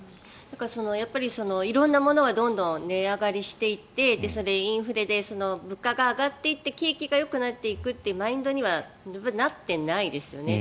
やっぱり、色んなものがどんどん値上がりしていってインフレで物価が上がっていって景気がよくなっていくというマインドにはなってないですよね。